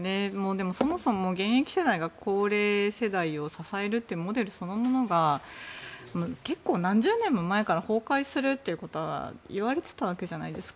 でも、そもそも現役世代が高齢世代を支えるというモデルそのものが結構、何十年も前から崩壊するということが言われていたわけじゃないですか。